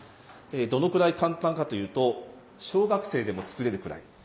どのくらいかん単かというと小学生でも作れるくらい。